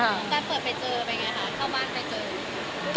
แล้วเกิดไปเจอเป็นอย่างไรค่ะเข้าบ้านไปเจอ